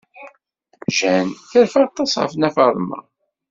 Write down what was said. Jane terfa aṭas ɣef Nna Faḍma.